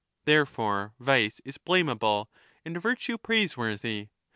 Therefore vice is blamable lo and virtue praiseworthy.